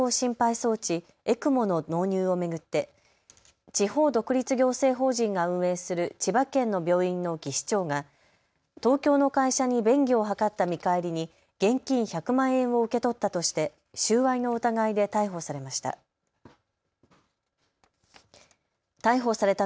装置・ＥＣＭＯの納入を巡って地方独立行政法人が運営する千葉県の病院の技士長が、東京の会社に便宜を図った見返りに現金１００万円を受け取ったとして収賄の疑いで逮捕されました。